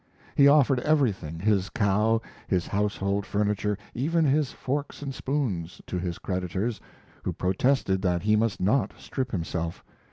He offered everything his cow, his household furniture, even his forks and spoons to his creditors, who protested that he must not strip himself.